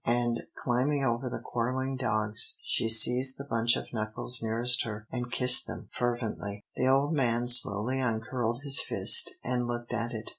and, climbing over the quarrelling dogs, she seized the bunch of knuckles nearest her, and kissed them fervently. The old man slowly uncurled his fist and looked at it.